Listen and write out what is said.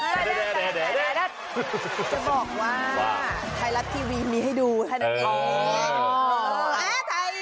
จะบอกว่าไทยรัฐทีวีมีให้ดูเท่านั้นเอง